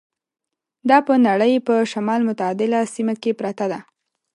دا په نړۍ په شمال متعدله سیمه کې پرته ده.